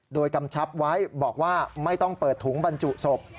โดยกำชับไว้บอกว่าไม่ต้องเปิดถุงบรรจุศพ